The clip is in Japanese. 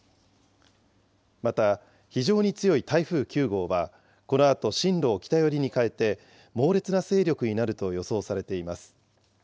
また、非常に強い台風９号は、このあと進路を北寄りに変えて、猛烈な勢力になると予想されています。